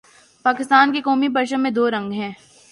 پاکستان کے قومی پرچم میں دو رنگ ہیں